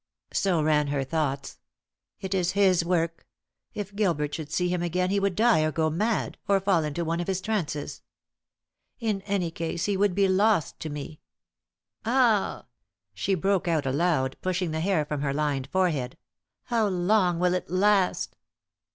so ran her thoughts. "It is his work. If Gilbert should see him again he would die or go mad, or fall into one of his trances. In any case he would be lost to me. Ah!" she broke out aloud, pushing the hair from her lined forehead. "How long will it last?"